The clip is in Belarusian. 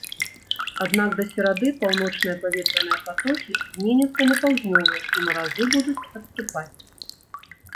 Аднак да серады паўночныя паветраныя патокі зменяцца на паўднёвыя і маразы будуць адступаць.